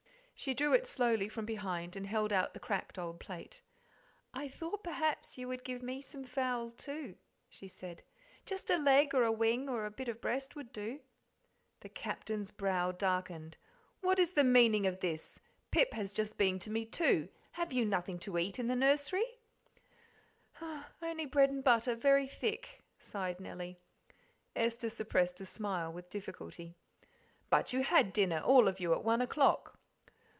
She drew it slowly from behind and held out the cracked old plate. "I thought perhaps you would give me some fowl too," she said "just a leg or a wing, or bit of breast would do." The Captain's brow darkened. "What is the meaning of this? Pip has just been to me, too. Have you nothing to eat in the nursery?" "Only bread and butter, very thick," sighed Nellie. Esther suppressed a smile with difficulty. "But you had dinner, all of you, at one o'clock."